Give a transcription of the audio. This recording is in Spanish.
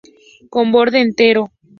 Con borde entero.